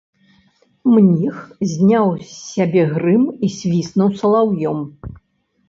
Мніх зняў з сябе грым і свіснуў салаўём.